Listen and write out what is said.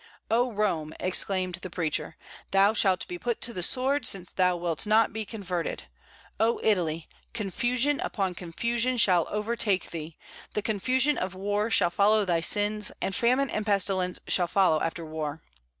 "O Rome!" exclaimed the preacher, "thou shalt be put to the sword, since thou wilt not be converted. O Italy! confusion upon confusion shall overtake thee; the confusion of war shall follow thy sins, and famine and pestilence shall follow after war."